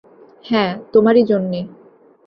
হাঁ, তোমারই জন্যে।